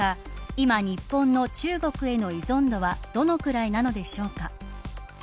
今、日本の中国への依存度はどのくらいなのでしょうか。